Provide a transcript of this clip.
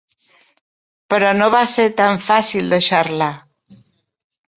Però no va ser tan fàcil deixar-la.